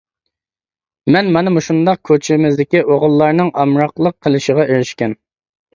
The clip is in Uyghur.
مەن مانا مۇشۇنداق كوچىمىزدىكى ئوغۇللارنىڭ ئامراقلىق قىلىشىغا ئېرىشكەن.